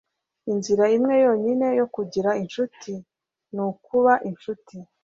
Inzira imwe yonyine yo kugira inshuti nukuba inshuti.